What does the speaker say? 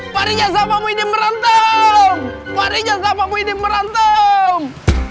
pak rijal siapa yang mau merantem